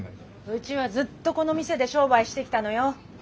うちはずっとこの店で商売してきたのよ。